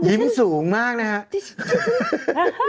สูงมากนะครับ